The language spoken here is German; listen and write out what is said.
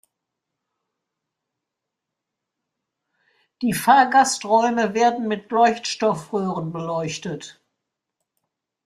Die Fahrgasträume werden mit Leuchtstoffröhren beleuchtet.